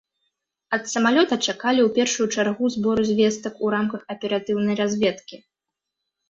Ад самалёта чакалі ў першую чаргу збору звестак у рамках аператыўнай разведкі.